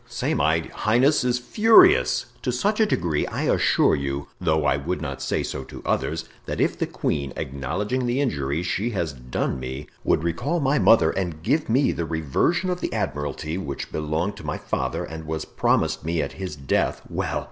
say my highness is furious! To such a degree, I assure you, though I would not say so to others, that if the queen, acknowledging the injuries she has done me, would recall my mother and give me the reversion of the admiralty, which belonged to my father and was promised me at his death, well!